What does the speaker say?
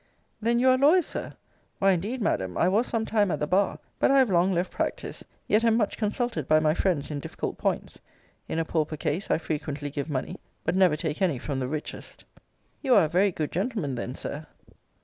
Then you are a lawyer, Sir Why, indeed, Madam, I was some time at the bar; but I have long left practice; yet am much consulted by my friends in difficult points. In a pauper case I frequently give money; but never take any from the richest. You are a very good gentleman, then, Sir.